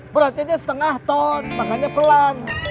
beratnya dia setengah ton makanya pelan